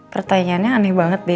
pertanyaannya aneh banget deh